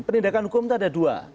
penindakan hukum itu ada dua